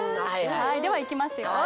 ではいきますよ！